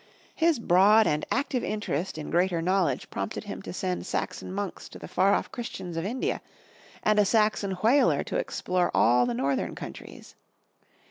His broad and active interest in greater knowledge prompted him to send Saxon monks to the far off Christians of India and a Saxon whaler to explore all the Northern Countries.